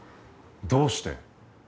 どうして！？